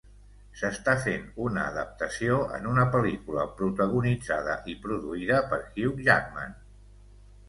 S'està fent una adaptació en una pel·lícula protagonitzada i produïda per Hugh Jackman.